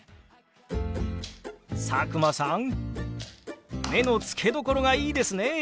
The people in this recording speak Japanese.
佐久間さん目の付けどころがいいですね！